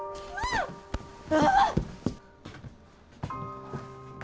ああ。